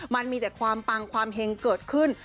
มันมีแต่ความปังความเฮงเกิดขึ้น